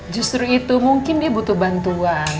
justru itu mungkin dia butuh bantuan